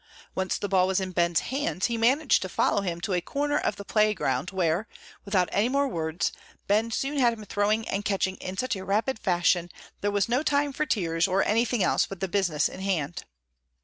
Once the ball was in Ben's hands he managed to follow him to a corner of the playground where, without any more words, Ben soon had him throwing and catching in such a rapid fashion there was no time for tears or anything else but the business in hand.